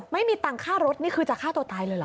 ไม่มีตังค่ารถนี่คือจะฆ่าตัวตายเลยเหรอ